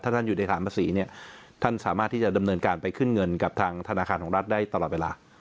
ท่านอยู่ในฐานภาษีเนี่ยท่านสามารถที่จะดำเนินการไปขึ้นเงินกับทางธนาคารของรัฐได้ตลอดเวลา